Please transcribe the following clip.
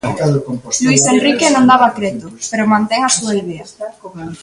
Luís Enrique non daba creto, pero mantén a súa idea.